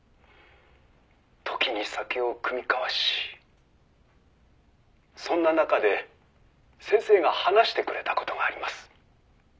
「時に酒を酌み交わしそんな中で先生が話してくれた事があります」